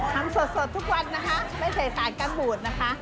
ทำสดทุกวันนะคะไม่ใส่สารกันบูดนะคะ